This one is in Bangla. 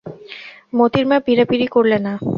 মোতির মা পীড়াপীড়ি করলে না।